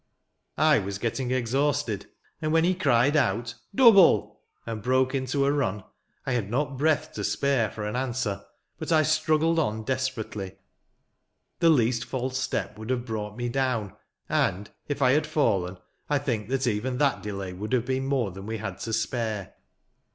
" I was getting exhausted ; and, when he cried out, " Double! " and broke into a run, I had not breath to spare for an answer; but I struggled on desperately. The least false step would have brought me down ; and, if I had fallen, I think that even that delay would have been more than we had to spare.